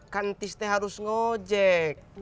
kan tis harus ngojek